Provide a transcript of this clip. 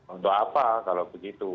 untuk apa kalau begitu